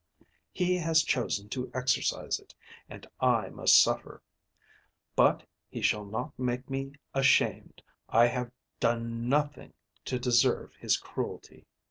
He has chosen to exercise it, and I must suffer. But he shall not make me ashamed. I have done nothing to deserve his cruelty."